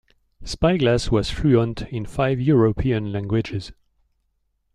Spyglass was fluent in five European languages.